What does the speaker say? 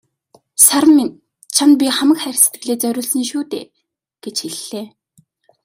"Саран минь чамд би хамаг хайр сэтгэлээ зориулсан шүү дээ" гэж хэллээ.